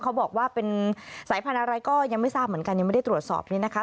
เขาบอกว่าเป็นสายพันธุ์อะไรก็ยังไม่ทราบเหมือนกันยังไม่ได้ตรวจสอบนี้นะคะ